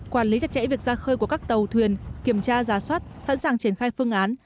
quản lý chặt chẽ việc ra khơi của các tàu thuyền kiểm tra giá soát sẵn sàng triển khai phương án